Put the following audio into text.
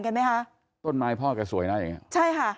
เห็นมั้ยฮะ